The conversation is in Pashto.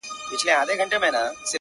• خدايه سندرو کي مي ژوند ونغاړه.